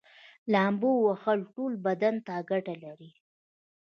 لامبو وهل ټول بدن ته ګټه لري